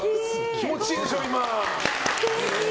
気持ちいいでしょ、今。